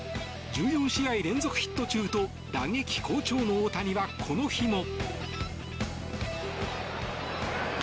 １４試合連続ヒット中と打撃好調の大谷はこの日も。